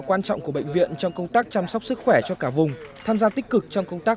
quan trọng của bệnh viện trong công tác chăm sóc sức khỏe cho cả vùng tham gia tích cực trong công tác